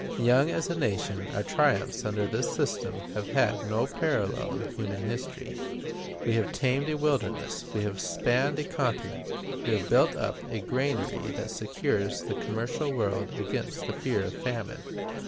Young as a nation, our triumphs under this system have had no parallel in human history. We have tamed a wilderness; we have spanned a continent. We have built up a granary that secures the commercial world against the fear of famine.